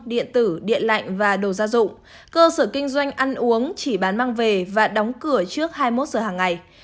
điện tử điện lạnh và đồ gia dụng cơ sở kinh doanh ăn uống chỉ bán mang về và đóng cửa trước hai mươi một giờ hàng ngày